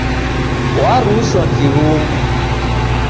Warushwa kirumbu